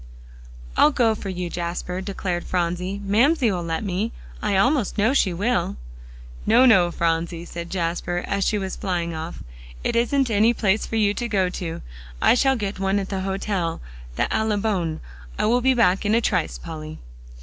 "I'll go for you, Jasper," declared Phronsie; "Mamsie will let me; I almost know she will." "No, no, Phronsie," said Jasper, as she was flying off; "it isn't any place for you to go to. I shall get one at the hotel the Allibone. I'll be back in a trice, Polly."